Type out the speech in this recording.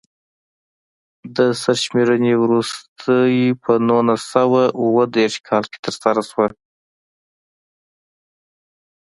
د سرشمېرنې وروستۍ په نولس سوه اووه دېرش کال کې ترسره شوه.